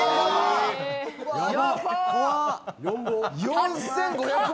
４５００。